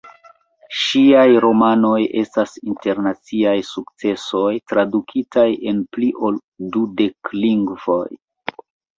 Ŝiaj romanoj estas internaciaj sukcesoj, tradukitaj en pli ol dudek lingvoj.